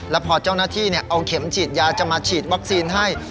แล้วพอเจ้าหน้าที่เอาเข็มฉีดยาจะมาฉีดวัคซีนให้